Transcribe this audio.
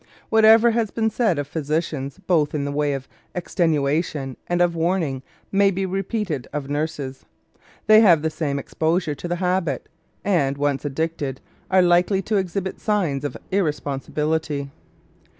Whatever has been said of physicians both in the way of extenuation and of warning may be repeated of nurses. They have the same exposure to the habit, and, once addicted, are likely to exhibit signs of irresponsibility.